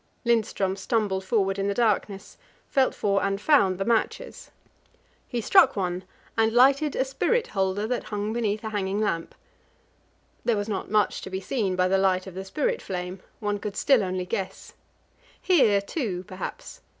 Lindström stumbled forward in the darkness, felt for and found the matches. He struck one, and lighted a spirit holder that hung beneath a hanging lamp. There was not much to be seen by the light of the spirit flame; one could still only guess. Hear too, perhaps.